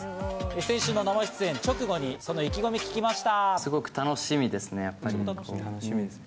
先週の生出演直後に意気込みを聞きました。